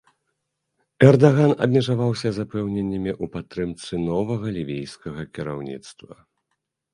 Эрдаган абмежаваўся запэўненнямі ў падтрымцы новага лівійскага кіраўніцтва.